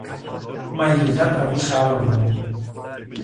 Μα η Γιαγιά τραβούσε άλλο δρόμο.